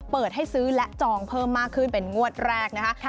เปิดให้ซื้อและจองเพิ่มมากขึ้นเป็นงวดแรกนะคะ